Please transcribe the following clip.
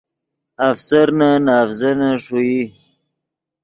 افسرنے نے اڤزینے ݰوئی